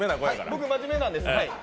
僕、真面目なんです。